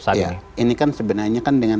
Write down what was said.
saat ini ini kan sebenarnya kan dengan